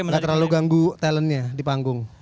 nggak terlalu ganggu talentnya di panggung